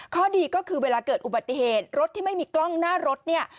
ข้อดีก็คือเวลาเกิดอุบัติเหตุรถที่ไม่มีกล้องหน้ารถเนี่ย